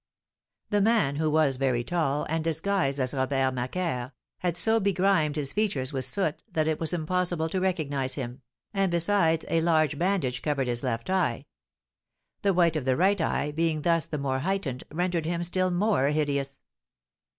The man, who was very tall, and disguised as Robert Macaire, had so begrimed his features with soot that it was impossible to recognise him, and, besides, a large bandage covered his left eye; the white of the right eye being thus the more heightened, rendered him still more hideous.